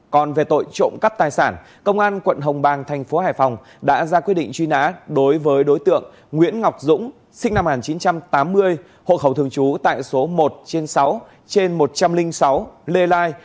còn về tội trộm cắt tài sản công an tp hải phòng đã ra quyết định truy nã đối với đối tượng nguyễn ngọc dũng sinh năm một nghìn chín trăm tám mươi hộ khẩu thường trú tại số một trên sáu trên một trăm linh sáu lê lai